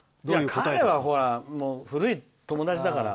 彼は、古い友達だから。